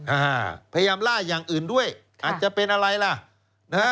อ่าพยายามล่าอย่างอื่นด้วยอาจจะเป็นอะไรล่ะนะฮะ